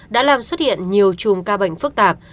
đã làm xuất hiện nhiều chùm ca bệnh phức tạp